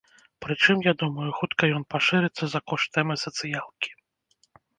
Прычым, я думаю, хутка ён пашырыцца за кошт тэмы сацыялкі.